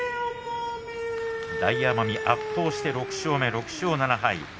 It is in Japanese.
大奄美、圧倒して６勝目６勝７敗。